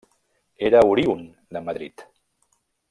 Era oriünd de Madrid.